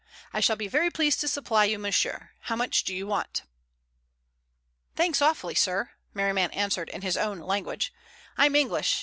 "I shall be very pleased to supply you, monsieur. How much do you want?" "Thanks awfully, sir," Merriman answered in his own language. "I'm English.